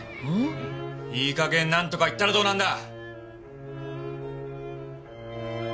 いい加減なんとか言ったらどうなんだ！？